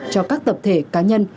cho các tập thể cá nhân